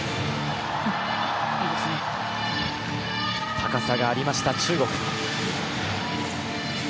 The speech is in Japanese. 高さがありました、中国。